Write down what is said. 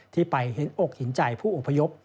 ที่ไปเห็นอกเห็นใจผู้อพยพ